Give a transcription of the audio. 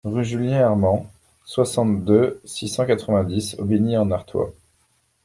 Rue Julien Hermant, soixante-deux, six cent quatre-vingt-dix Aubigny-en-Artois